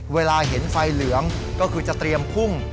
เวลาเห็นไฟเหลืองก็คือจะเตรียมพุ่ง